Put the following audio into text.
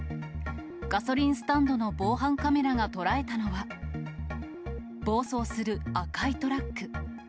ガソリンスタンドの防犯カメラが捉えたのは、暴走する赤いトラック。